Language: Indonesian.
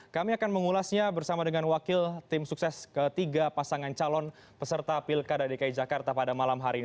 kami akan mengulasnya bersama dengan wakil tim sukses ketiga pasangan calon peserta pilkada dki jakarta pada malam hari ini